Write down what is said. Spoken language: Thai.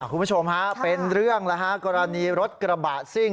คุณผู้ชมฮะเป็นเรื่องแล้วฮะกรณีรถกระบะซิ่ง